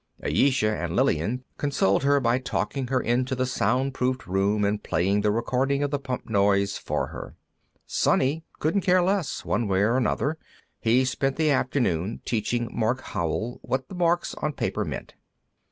Ayesha and Lillian consoled her by taking her into the soundproofed room and playing the recording of the pump noise for her. Sonny couldn't care less, one way or another; he spent the afternoon teaching Mark Howell what the marks on paper meant.